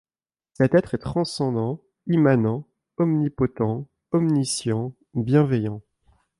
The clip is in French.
Cet Être est transcendant, immanent, omnipotent, omniscient, bienveillant.